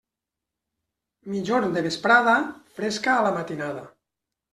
Migjorn de vesprada, fresca a la matinada.